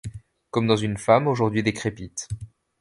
Comme dans une femme aujourd'hui décrépite